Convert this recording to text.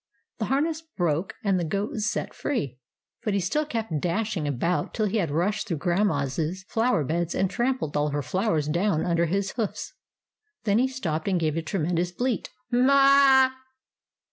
The harness broke, and the goat was set free; but he still kept dashing about till he had rushed through Grandma's 90 THE ADVENTURES OF MABEL flower beds and trampled all her flowers down under his hoofs. Then he stopped and gave a tremendous bleat —" M m a a a